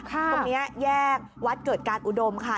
ตรงนี้แยกวัดเกิดการอุดมค่ะ